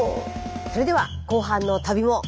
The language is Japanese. それでは後半の旅も。